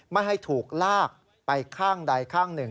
ไม่ให้ถูกลากไปข้างใดข้างหนึ่ง